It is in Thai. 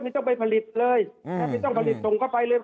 ไม่ต้องไปผลิตเลยถ้าไม่ต้องผลิตส่งเข้าไปเลย